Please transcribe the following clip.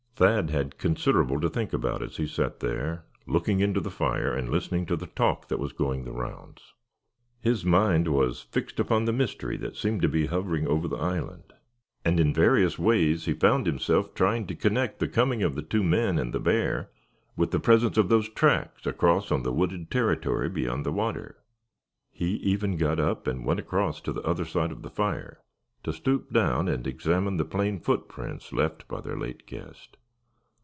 Thad had considerable to think about as he sat there, looking into the fire, and listening to the talk that was going the rounds. His mind was fixed upon the mystery that seemed to be hovering over the island; and in various ways he found himself trying to connect the coming of the two men and the bear, with the presence of those tracks across on the wooded territory beyond the water. He even got up, and went across to the other side of the fire, to stoop down and examine the plain footprints left by their late guest.